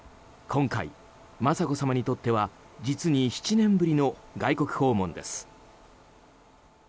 今回、雅子さまにとっては実に７年ぶりの外国訪問です。